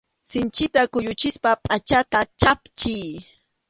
Sinchita kuyuchispa pʼachata chhapchiy.